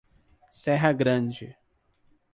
Serra Grande